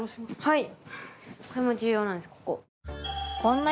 はい。